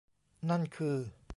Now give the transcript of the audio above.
นั่นคือ